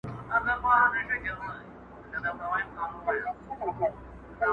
د خوشحال پر لار چي نه درومي پښتونه,